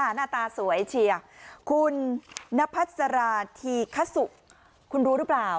หน้าตาสวยเชียร์คุณนพัสราธีคสุคุณรู้หรือเปล่า